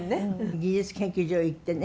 技術研究所へ行ってね